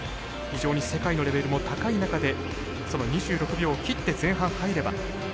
非常に世界のレベルも高い中でその２６秒を切って前半、入れば。